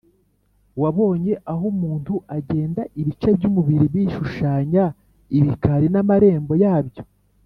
wabonye aho umuntu agenda ibice by’umubiri bishushanya ibikari n’amarembo yabyo